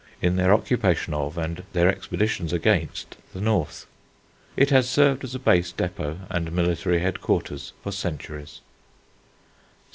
in their occupation of and their expeditions against the North. It has served as a base depôt and military headquarters for centuries.